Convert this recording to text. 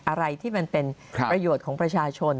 อะไรที่มันเป็นประโยชน์ของประชาชน